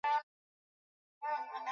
Rio Apure na Rio Caroni Wakazi wengi